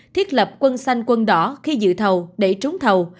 thiết lập quân xanh quân đỏ khi dự thầu để trúng thầu